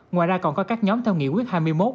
ngoài ra còn có các nhóm theo nghị quyết hai mươi một